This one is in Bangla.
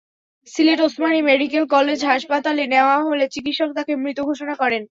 সিলেট ওসমানী মেডিকেল কলেজ হাসপাতালে নেওয়া হলে চিকিৎসক তাঁকে মৃত ঘোষণা করেন।